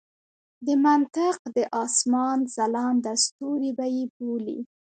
د منطق د اسمان ځلانده ستوري به یې بولي.